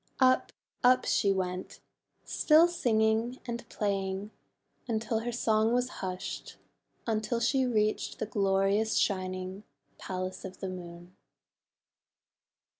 Up, up, she went, still singing and playing, until her song was hushed — until she reached the glorious shining Palace of the Moon.